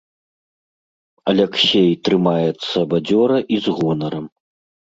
Аляксей трымаецца бадзёра і з гонарам.